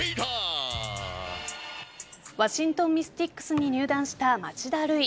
ワシントン・ミスティックスに入団した町田瑠唯。